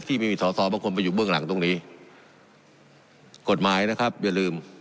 ที่มีสอสอบางคนไปอยู่เบื้องหลังตรงนี้กฎหมายนะครับอย่าลืม